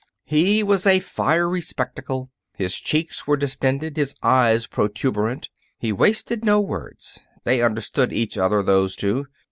He was a fiery spectacle. His cheeks were distended, his eyes protuberant. He wasted no words. They understood each other, those two.